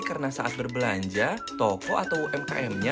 karena saat berbelanja toko atau umkm nya